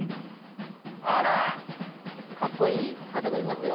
かっこいい方がいますよ。